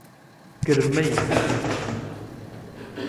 گرمەی هەوری بەهاران